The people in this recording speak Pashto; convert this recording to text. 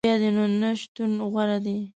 بیا دي نو نه شتون غوره دی